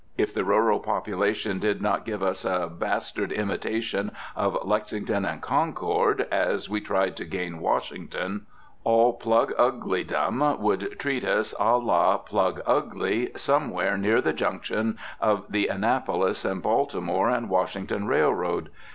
If the rural population did not give us a bastard imitation of Lexington and Concord, as we tried to gain Washington, all Pluguglydom would treat us à la Plugugly somewhere near the junction of the Annapolis and Baltimore and Washington Railroad.